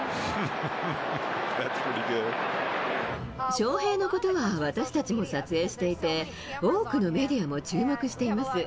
翔平のことは私たちも撮影していて、多くのメディアも注目しています。